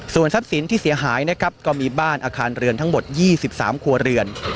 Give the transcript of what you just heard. ส่วนทรัพย์สินที่เสียหายนะครับก็มีบ้านอาคารเรือนทั้งหมด๒๓ครัวเรือน